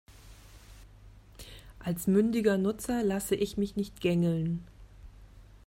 Als mündiger Nutzer lasse ich mich nicht gängeln.